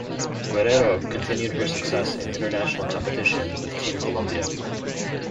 Guerrero continued her success in international Competition with Team Colombia.